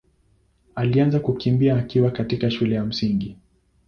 alianza kukimbia akiwa katika shule ya Msingi.